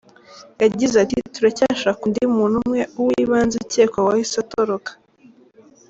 Yagize ati "Turacyashaka undi muntu umwe, uw’ibanze ukekwa wahise atoroka.